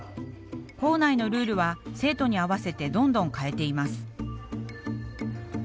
校内のルールは生徒に合わせてどんどん変えています。